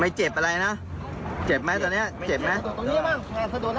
ไม่เจ็บอะไรนะเจ็บมั้ยตอนนี้เจ็บมั้ย